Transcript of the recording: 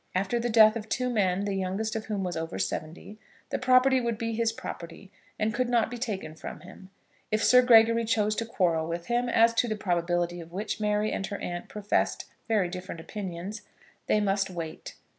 After the death of two men, the youngest of whom was over seventy, the property would be his property, and could not be taken from him. If Sir Gregory chose to quarrel with him, as to the probability of which, Mary and her aunt professed very different opinions, they must wait.